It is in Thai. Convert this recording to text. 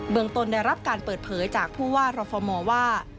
เบื้องต้นได้รับการเปิดเผยจากผู้ว่ารอฟอร์มอร์ว่า